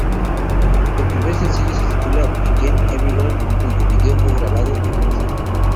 El primer sencillo se titula "Being Everyone", cuyo vídeo fue grabado en Brasil.